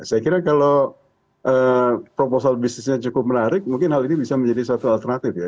saya kira kalau proposal bisnisnya cukup menarik mungkin hal ini bisa menjadi satu alternatif ya